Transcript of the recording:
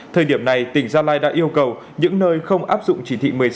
thời điểm này tỉnh gia lai đã yêu cầu những nơi không áp dụng chỉ thị một mươi sáu